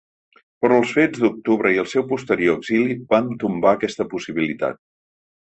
Però els fets d’octubre i el seu posterior exili van tombar aquesta possibilitat.